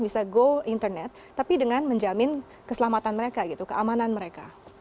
bisa go internet tapi dengan menjamin keselamatan mereka gitu keamanan mereka